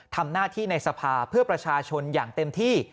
ทำหน้าที่ในสภาเพื่อประชาชนอย่างเต็มที่